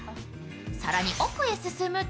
更に奥へ進むと